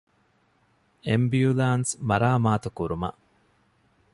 އެމްބިއުލާންސް މަރާމާތުކުރުމަށް